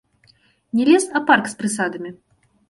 Не лес, а парк з прысадамі.